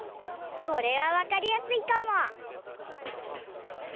これはわかりやすいかも！